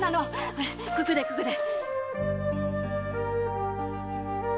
ほらここだここだ。